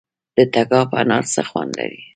د تګاب انار څه خوند لري؟